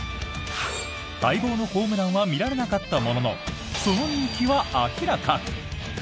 待望のホームランは見られなかったもののその人気は明らか！